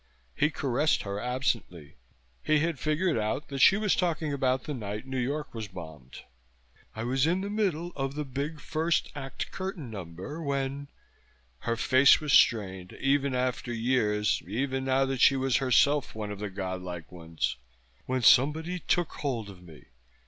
He caressed her absently. He had figured out that she was talking about the night New York was bombed. "I was in the middle of the big first act curtain number when " her face was strained, even after years, even now that she was herself one of the godlike ones "when something took hold of me.